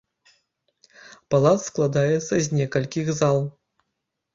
Палац складаецца з некалькіх зал.